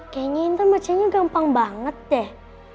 kayaknya intan bacanya gampang banget deh